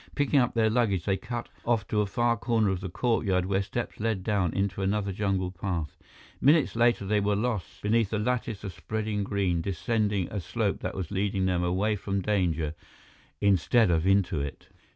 Picking up their luggage, they cut off to a far corner of the courtyard where steps led down into another jungle path. Minutes later, they were lost beneath a lattice of spreading green, descending a slope that was leading them away from danger instead of into it.